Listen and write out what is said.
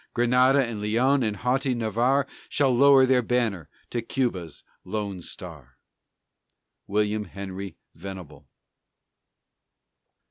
Granada and Leon and haughty Navarre Shall lower their banner to Cuba's lone star!_ WILLIAM HENRY VENABLE.